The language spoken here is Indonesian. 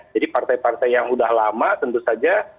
jadi partai partai yang sudah lama tentu saja